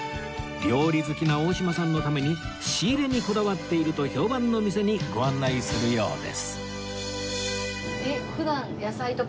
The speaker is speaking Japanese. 料理好きな大島さんのために仕入れにこだわっていると評判の店にご案内するようです